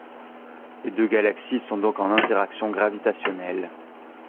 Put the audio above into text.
Ces deux galaxies sont donc en interaction gravitationnelle.